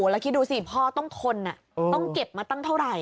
แล้วคิดดูสิพ่อต้องทนต้องเก็บมาตั้งเท่าไหร่